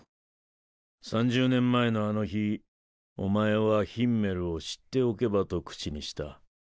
３０年前のあの日お前は「ヒンメルを知っておけば」と口にした。